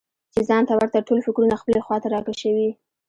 چې ځان ته ورته ټول فکرونه خپلې خواته راکشوي.